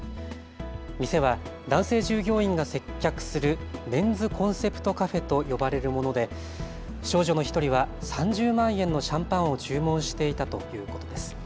店は男性従業員が接客するメンズコンセプトカフェと呼ばれるもので少女の１人は３０万円のシャンパンを注文していたということです。